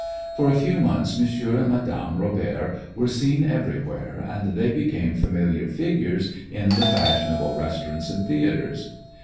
For a few months Monsieur and Madame Robert were seen everywhere, and they became familiar figures in the fashionable restaurants and theatres.